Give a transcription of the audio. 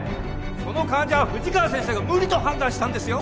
その患者は富士川先生が無理と判断したんですよ。